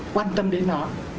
quan tâm đến nó